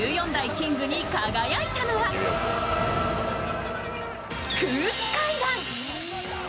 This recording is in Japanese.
キングに輝いたのは空気階段。